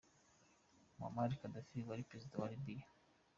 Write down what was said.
Muammar Gadhaffi, wari perezida wa Libya.